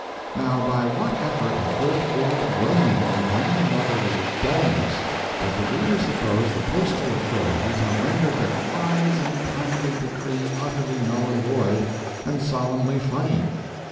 Now by what effort of good old well meaning, grandmotherly dullness does the reader suppose the postal authorities have rendered that wise and kindly decree utterly null and void, and solemnly funny?